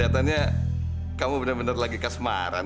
lihatannya kamu benar benar lagi kesemaran dit